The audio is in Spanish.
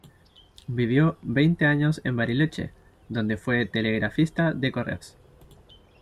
Vivió veinte años en Bariloche, donde fue telegrafista de Correos.